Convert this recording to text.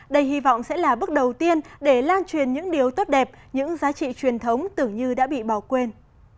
đây hy vọng sẽ là bước đầu tiên để lan truyền những điều tốt đẹp những giá trị truyền thống tưởng như đã bị bỏ quên